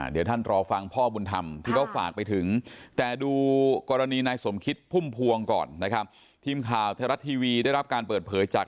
เดี๋ยวท่านรอฟังพ่อบุญธรรมที่เขาฝากไปถึงแต่ดูกรณีนายสมคิดพุ่มพวงก่อนนะครับทีมข่าวไทยรัฐทีวีได้รับการเปิดเผยจาก